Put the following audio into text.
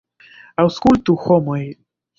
Aŭskultu, homoj!